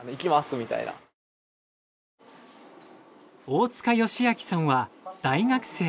大束良明さんは大学生。